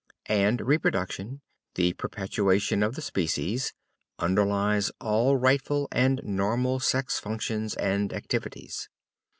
And reproduction, the perpetuation of the species, underlies all rightful and normal sex functions and activities.